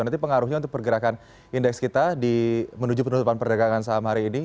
nanti pengaruhnya untuk pergerakan indeks kita menuju penutupan perdagangan saham hari ini